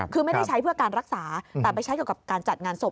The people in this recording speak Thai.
คือไม่ได้ใช้เพื่อการรักษาแต่ไปใช้เกี่ยวกับการจัดงานศพ